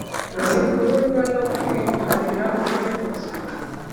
zikururwa no kwiharira ubutegetsi